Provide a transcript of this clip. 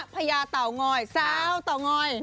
พญาเตาร์ง้อยสาวเตาร์ง้อย